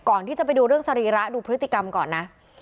ก่อนที่จะไปดูเรื่องสรีระดูพฤติกรรมก่อนนะ